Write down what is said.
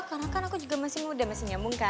karena kan aku juga masih muda masih nyambung kan